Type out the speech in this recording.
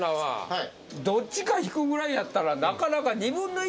どっちか引くぐらいやったらなかなか。